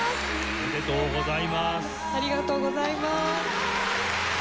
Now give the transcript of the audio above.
ありがとうございます。